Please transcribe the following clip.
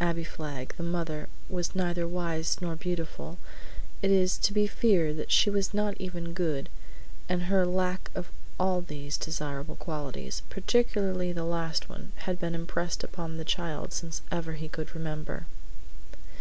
Abbie Flagg, the mother, was neither wise nor beautiful; it is to be feared that she was not even good, and her lack of all these desirable qualities, particularly the last one, had been impressed upon the child ever since he could remember.